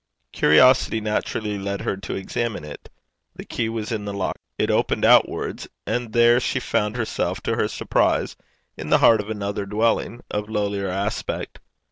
Curiosity naturally led her to examine it. The key was in the lock. It opened outwards, and there she found herself, to her surprise, in the heart of another dwelling, of lowlier aspect.